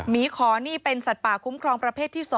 หอนี่เป็นสัตว์ป่าคุ้มครองประเภทที่๒